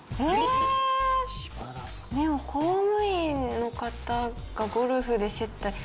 でも公務員の方がゴルフで接待。